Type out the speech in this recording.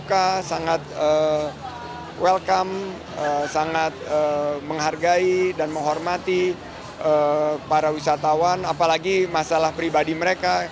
mereka sangat welcome sangat menghargai dan menghormati para wisatawan apalagi masalah pribadi mereka